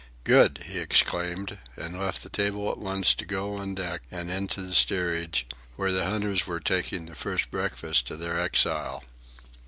"Good!" he exclaimed, and left the table at once to go on deck and into the steerage, where the hunters were taking the first breakfast of their exile.